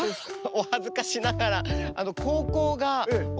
お恥ずかしながらえ！